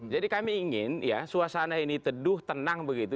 jadi kami ingin ya suasana ini teduh tenang begitu